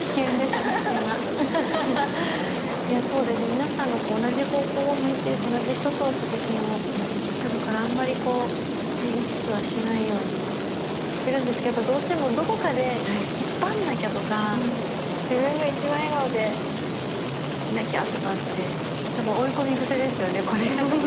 皆さんが同じ方向を向いて同じ一つの作品を作るからあんまり意識はしないようにはしてるんですけどやっぱどうしてもどこかで引っ張んなきゃとか自分が一番笑顔でなきゃとかってたぶん追い込み癖ですよねこれ。